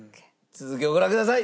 続きをご覧ください。